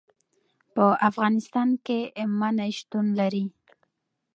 په افغانستان کې منی شتون لري.